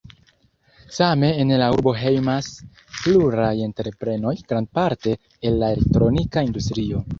Same en la urbo hejmas pluraj entreprenoj, grandparte el la elektronika industrio.